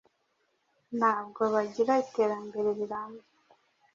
ntabwo bagira iterambere rirambye.